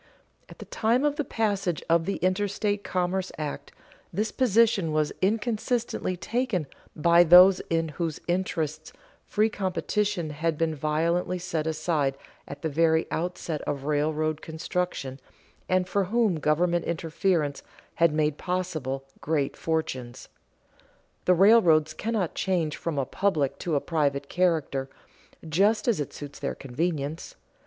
At the time of the passage of the Interstate Commerce Act this position was inconsistently taken by those in whose interests free competition had been violently set aside at the very outset of railroad construction, and for whom government interference had made possible great fortunes. The railroads cannot change from a public to a private character just as it suits their convenience.